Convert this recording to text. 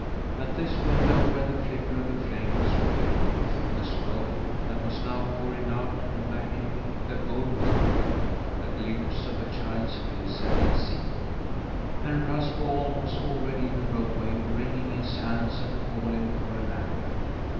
At this window, where the flicker of the flame was reflected through the smoke that was now pouring out and blackening the old woodwork, a glimpse of a child's face had been seen, and Raspall was already in the roadway wringing his hands and calling for a ladder.